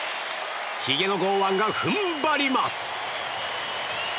ひげの剛腕が踏ん張ります。